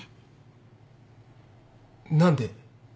何で？